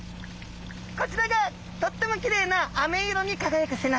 こちらがとってもきれいなアメ色にかがやく背中。